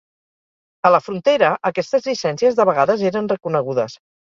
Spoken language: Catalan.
A la frontera, aquestes llicències de vegades eren reconegudes